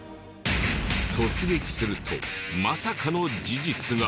突撃するとまさかの事実が！